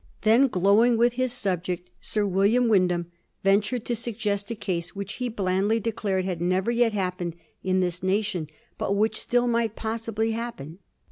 Then, glowing with his subject, Sir William Wyndham ventured to sug gest a case which he blandly declared had never yet happened in this nation, but which still might possibly happen.